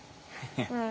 うん。